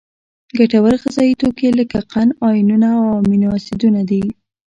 ګټور غذایي توکي لکه قند، آیونونه او امینو اسیدونه دي.